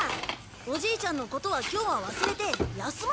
おじいちゃんのことは今日は忘れて休まなきゃ。